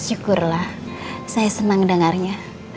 syukurlah saya senang dengarnya